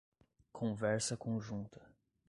Conversa conjunta